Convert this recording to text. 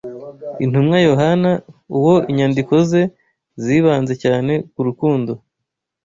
Intumwa Yohana, uwo inyandiko ze zibanze cyane ku rukundo